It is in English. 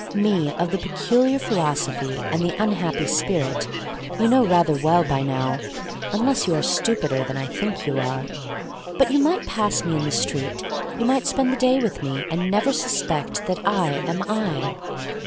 Me of the peculiar philosophy and the unhappy spirit you know rather well by now, unless you are stupider than I think you are. But you might pass me in the street — you might spend the day with me — and never suspect that I am I.